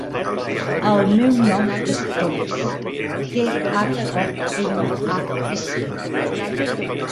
El meu nom és Thomas: te, hac, o, ema, a, essa.